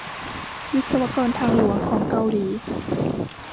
วิศวกรทางหลวงของเกาหลี